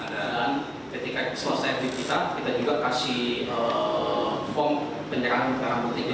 dan ketika selesai edit kita kita juga kasih form penerimaan barang buktinya